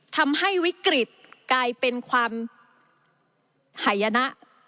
ทำให้วิกฤตกลายเป็นความหายนะ